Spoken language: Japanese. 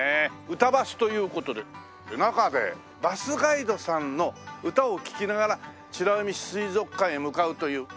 うたばすという事で中でバスガイドさんの歌を聴きながら美ら海水族館へ向かうという。